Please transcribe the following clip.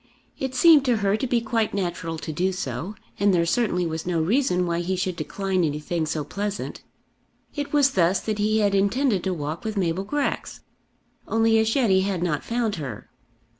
It seemed to her to be quite natural to do so, and there certainly was no reason why he should decline anything so pleasant. It was thus that he had intended to walk with Mabel Grex; only as yet he had not found her.